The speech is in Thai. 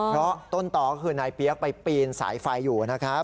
เพราะต้นต่อก็คือนายเปี๊ยกไปปีนสายไฟอยู่นะครับ